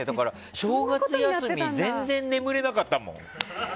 正月休み、全然眠れなかったもん。